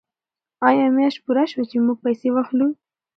آیا میاشت پوره شوه چې موږ پیسې واخلو؟